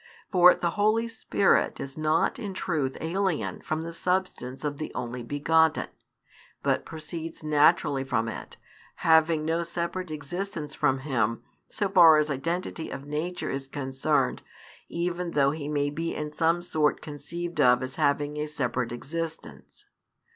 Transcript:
For the Holy Spirit is not in truth alien from the Substance of the Only begotten, but proceeds naturally from it, having no separate existence from Him so far as identity of nature is concerned, even though He may be in some sort conceived of as having a separate existence.